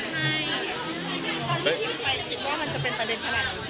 ตอนที่พิมพ์ไปคิดว่ามันจะเป็นประเด็นขนาดนี้